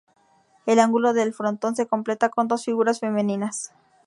El ángulo del frontón se completa con dos figuras femeninas.